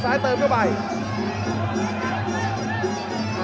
จัดสีบด้วยครับจัดสีบด้วยครับ